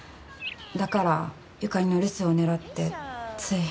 だから由佳里の留守を狙ってつい。